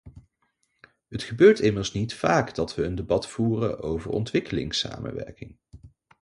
Het gebeurt immers niet vaak dat we een debat voeren over ontwikkelingssamenwerking.